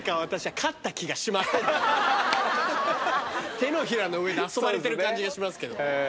手のひらの上で遊ばれてる感じがしますけど。